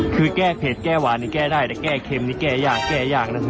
แก้เผ็ดแก้หวานเองแก้ได้แต่แก้เข็มแก้ยากแก้ยากนะเธอ